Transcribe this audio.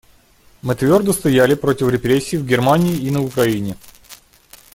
Мы твердо стояли против репрессий в Германии и на Украине.